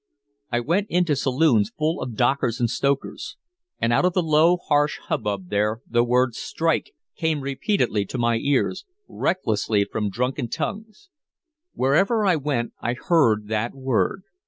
I went into saloons full of dockers and stokers, and out of the low harsh hubbub there the word "strike!" came repeatedly to my ears, recklessly from drunken tongues. Wherever I went I heard that word.